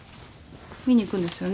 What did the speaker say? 見に行くんですよね？